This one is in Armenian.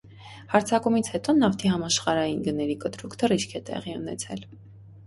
Հարձակումից հետո նավթի համաշխարհային գների կտրուկ թռիչք է տեղի ունեցել։